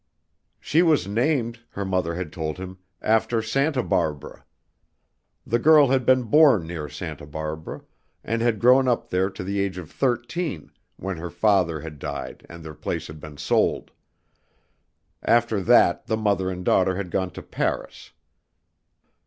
She was named, her mother had told him, after Santa Barbara. The girl had been born near Santa Barbara, and had grown up there to the age of thirteen, when her father had died and their place had been sold. After that, the mother and daughter had gone to Paris.